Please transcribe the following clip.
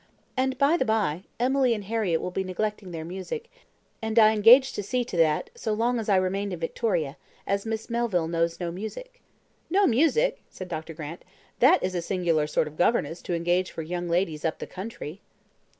"And, by the by, Emily and Harriett will be neglecting their music, and I engaged to see to that so long as I remained in Victoria, as Miss Melville knows no music." "No music!" said Dr. Grant; "that is a singular sort of governess to engage for young ladies up the country."